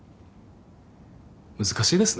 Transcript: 難しいですね。